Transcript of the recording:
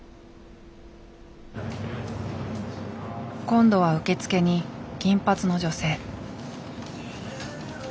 今度は受付に金髪の女性。